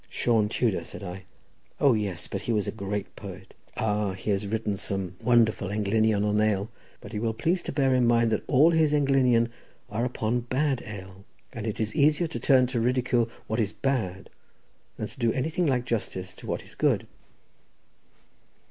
"Sion Tudor," said I; "O yes; but he was a great poet. Ah, he has written some wonderful englynion on ale; but you will please to bear in mind that all his englynion are upon bad ale, and it is easier to turn to ridicule what is bad than to do anything like justice to what is good."